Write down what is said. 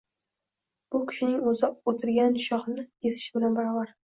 Bu, kishining o‘zi o‘tirgan shoxni kesishi bilan baravar.